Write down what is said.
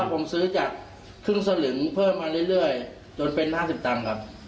ผมซื้อจากครึ่งสลึงเพิ่มมาเรื่อยจนเป็น๕๐ตังค์ครับ